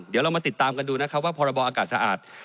เดี๋ยวเรามาติดตามกันดูนะครับว่าพรบอากาศสะอาด